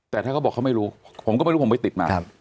แต่ถ้าเขาบอกเขาไม่รู้ผมก็ไม่รู้ผมไปติดมา